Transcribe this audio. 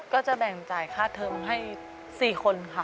ก็จะแบ่งจ่ายค่าเทิมให้๔คนค่ะ